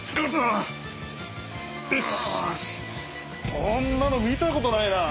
こんなの見たことないなあ。